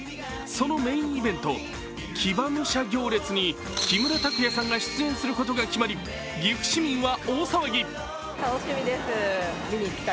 そのメーンイベント、騎馬武者行列に木村拓哉さんが出演することが決まり、岐阜市民は大騒ぎ。